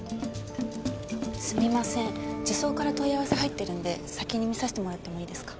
すみません児相から問い合わせ入ってるんで先に見させてもらってもいいですか？